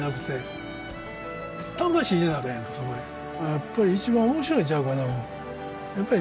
やっぱり一番面白いんちゃうかな思う。